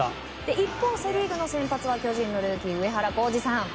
一方、セ・リーグの先発は巨人のルーキー上原浩治さん。